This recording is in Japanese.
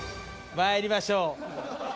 まいりましょう。